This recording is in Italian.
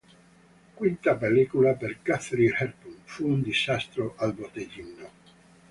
Quinta pellicola per Katharine Hepburn, fu un disastro al botteghino.